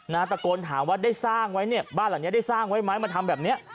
ตะโกนถามว่าได้สร้างไว้เนี่ยบ้านหลังนี้ได้สร้างไว้ไหมมาทำแบบเนี้ย